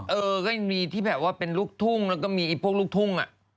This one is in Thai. เออก็ยังมีที่แบบว่าเป็นลูกทุ่งแล้วก็มีพวกลูกทุ่ง